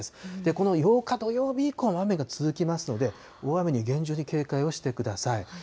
この８日土曜日以降も雨が続きますので、大雨に厳重に警戒をしてください。